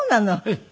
ええ。